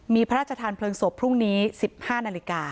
มีพระราชทานเผลิงศพหรุงนี้๑๕ณ